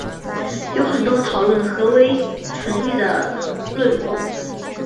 有很多讨论何为纯育的论述。